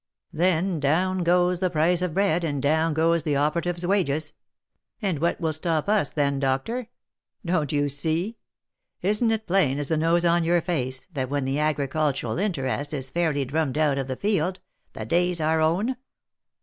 Then down goes the price of bread, and down goes the operative's wages ; and what will stop us then, doctor ? Don't you see ? Isn't it plain as the nose on your face that when the agricultural interest is fairly drummed out of the field, the day's our own